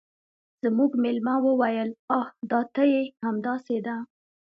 زموږ میلمه وویل چې آه دا ته یې همداسې ده